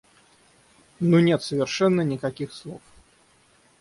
Ну нет совершенно никаких слов.